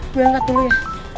gue angkat dulu ya